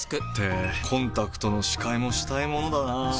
ってコンタクトの視界もしたいものだなぁ。